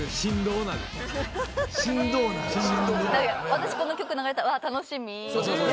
私この曲流れたら楽しみって。